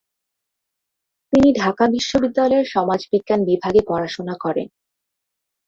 তিনি ঢাকা বিশ্ববিদ্যালয়ের সমাজবিজ্ঞান বিভাগে পড়াশুনা করেন।